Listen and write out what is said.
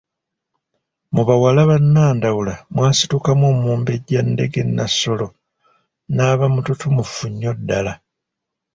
Mu bawala ba Ndawula mwasitukamu Omumbejja Ndege Nassolo, n'aba mututumufu nnyo ddala.